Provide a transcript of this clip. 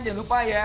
jangan lupa ya